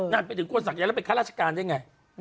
นั่นไปถึงคนศักดิ์ยันทร์แล้วเป็นข้าราชการได้ไง